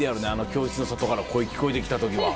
教室の外から声聞こえてきた時は。